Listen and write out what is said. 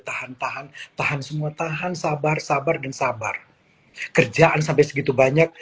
tahan tahan tahan semua tahan sabar sabar dan sabar kerjaan sampai segitu banyak